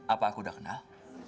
apa aku sudah kenal